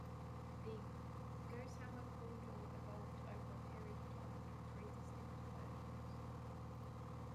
The Gossamer Condor evolved over a period of time through three distinct versions.